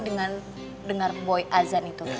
dengan dengar boy azan itu